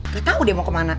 gak tau dia mau kemana